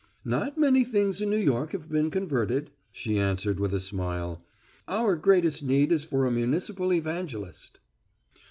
"Not many things in New York have been converted," she answered, with a smile. "Our greatest need is for a municipal evangelist."